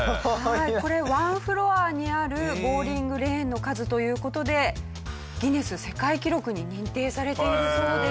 これ１フロアにあるボウリングレーンの数という事でギネス世界記録に認定されているそうです。